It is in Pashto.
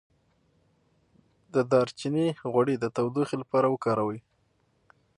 د دارچینی غوړي د تودوخې لپاره وکاروئ